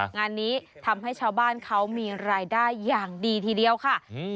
งานนี้ทำให้ชาวบ้านเขามีรายได้อย่างดีทีเดียวค่ะ